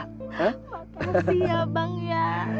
makasih ya bang ya